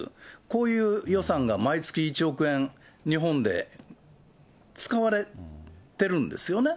こういう予算が毎月１億円、日本で使われてるんですよね。